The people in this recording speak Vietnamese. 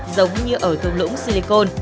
giống như ở thùng lũng silicon